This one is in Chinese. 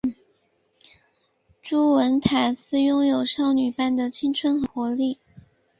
朱文塔斯拥有少女般的青春和活力。